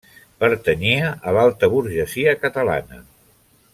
Pertanyia a l'alta burgesia catalana.